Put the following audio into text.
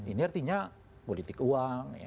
ini artinya politik uang